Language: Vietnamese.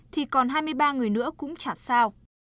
thì còn hai mươi ba người nữa cũng trả sao